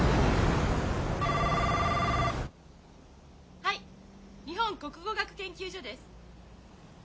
はい日本国語学研究所です。